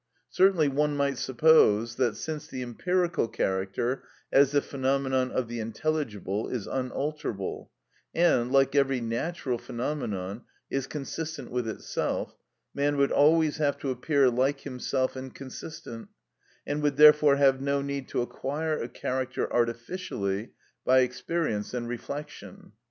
Certainly one might suppose that, since the empirical character, as the phenomenon of the intelligible, is unalterable, and, like every natural phenomenon, is consistent with itself, man would always have to appear like himself and consistent, and would therefore have no need to acquire a character artificially by experience and reflection.